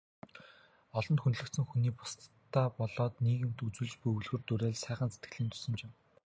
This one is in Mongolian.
Олонд хүндлэгдсэн хүний бусдадаа болоод нийгэмд үзүүлж буй үлгэр дуурайл, сайхан сэтгэлийн тусламж юм.